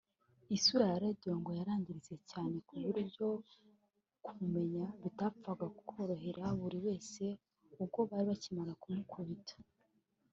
Isura ya Radio ngo yarangiritse cyane ku buryo kumumenya bitapfaga koroherera buri wese ubwo bari bakimara kumukubita